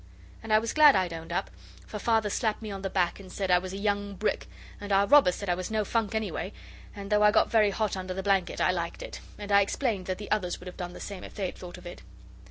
And I was glad I'd owned up, for Father slapped me on the back, and said I was a young brick, and our robber said I was no funk anyway, and though I got very hot under the blanket I liked it, and I explained that the others would have done the same if they had thought of it.